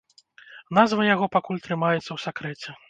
Назва яго пакуль трымаецца ў сакрэце.